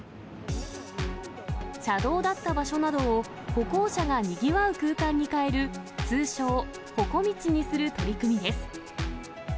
車道だった場所などを、歩行者がにぎわう空間に変える通称、ほこみちにする取り組みです。